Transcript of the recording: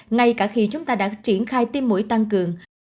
ngay cả khi chúng ta đã triển khai tiêm mũi tăng cường